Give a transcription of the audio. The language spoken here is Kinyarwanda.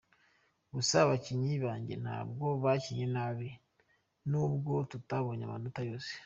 Gusa abakinnyi banjye ntabwo bakinnye nabi nubwo tutabonye amanota yose.